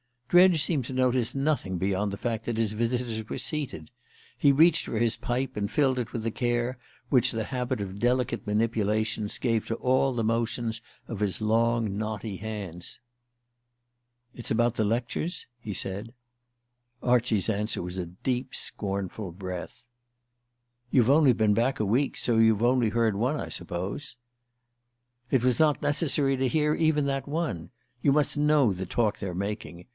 Dredge seemed to notice nothing beyond the fact that his visitors were seated. He reached for his pipe, and filled it with the care which the habit of delicate manipulations gave to all the motions of his long, knotty hands. "It's about the lectures?" he said. Archie's answer was a deep scornful breath. "You've only been back a week, so you've only heard one, I suppose?" "It was not necessary to hear even that one. You must know the talk they're making.